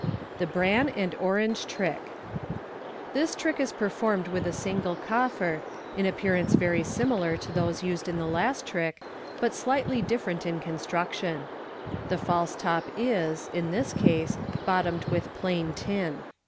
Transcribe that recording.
The Bran and Orange Trick. — This trick is performed with a single coffer, in appearance very similar to those used in the last trick, but slightly different in construction. The false top is, in this case, bottomed with plain tin.